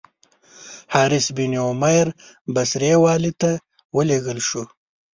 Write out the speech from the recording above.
حارث بن عمیر بصري والي ته ولېږل شو.